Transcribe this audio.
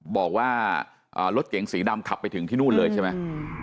บอกว่ารถเก๋งสีดำขับไปถึงที่นู่นเลยใช่ไหม